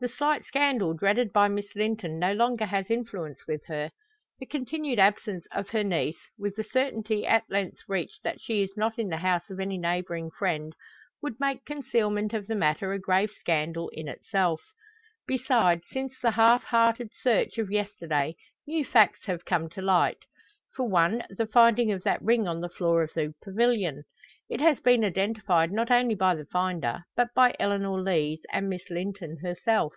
The slight scandal dreaded by Miss Linton no longer has influence with her. The continued absence of her niece, with the certainty at length reached that she is not in the house of any neighbouring friend, would make concealment of the matter a grave scandal in itself. Besides, since the half hearted search of yesterday new facts have come to light; for one, the finding of that ring on the floor of the pavilion. It has been identified not only by the finder, but by Eleanor Lees and Miss Linton herself.